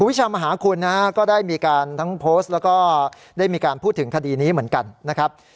วิชามหาคุณนะฮะก็ได้มีการทั้งโพสต์แล้วก็ได้มีการพูดถึงคดีนี้เหมือนกันนะครับ